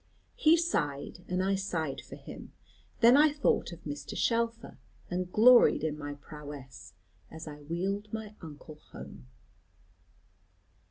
He sighed, and I sighed for him. Then I thought of Mr. Shelfer, and gloried in my prowess, as I wheeled my uncle home.